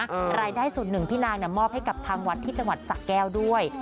รายได้ส่วนหนึ่งพี่นางเนี่ยมอบให้กับทางวัดที่จังหวัดสะแก้วด้วย